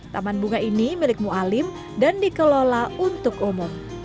taman bunga ini milik mualim dan dikelola untuk umum